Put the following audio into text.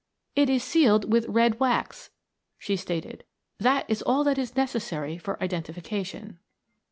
"It is sealed with red wax," she stated. "That is all that is necessary for identification."